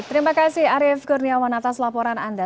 terima kasih arief kurniawan atas laporan anda